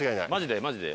マジで？